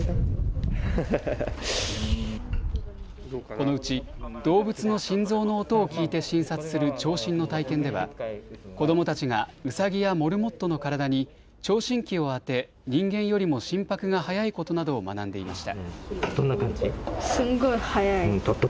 このうち動物の心臓の音を聞いて診察する聴診の体験では子どもたちがうさぎやモルモットの体に聴診器を当て人間よりも心拍が速いことなどを学んでいました。